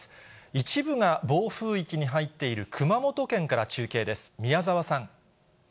一部が暴風域に入っている熊本県から中継です。